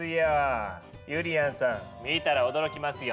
ゆりやんさん見たら驚きますよ。